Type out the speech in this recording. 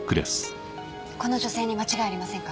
この女性に間違いありませんか？